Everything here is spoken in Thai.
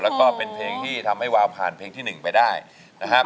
แล้วก็เป็นเพลงที่ทำให้วาวผ่านเพลงที่๑ไปได้นะครับ